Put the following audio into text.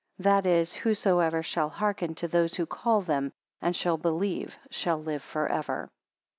15 That is, whosoever shall hearken to those who call them, and shall believe, shall live for ever.